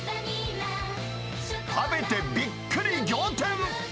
食べてびっくり仰天。